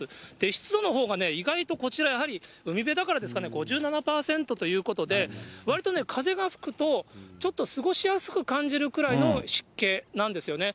湿度のほうが意外とこちらやはり、海辺だからですかね、５７％ということで、わりとね、風が吹くと、ちょっと過ごしやすく感じるぐらいの湿気なんですよね。